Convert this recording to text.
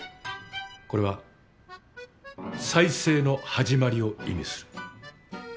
これは再生の始まりを意味する。